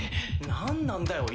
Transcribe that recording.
何なんだよ一体。